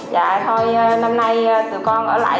dạ thôi năm nay tụi con ở lại